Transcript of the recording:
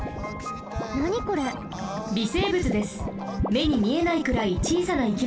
めにみえないくらいちいさないきものです。